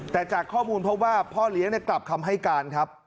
แต่จากข้อมูลเพราะว่าพ่อเลี้ยงกลับคำให้การครับ